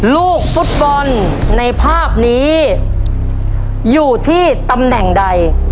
ลูกฟุตบอลในภาพนี้อยู่ที่ตำแหน่งใด